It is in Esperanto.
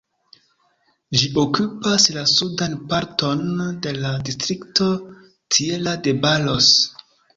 Ĝi okupas la sudan parton de la distrikto Tierra de Barros.